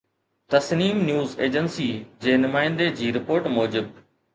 Tasneem news agency جي نمائندي جي رپورٽ موجب.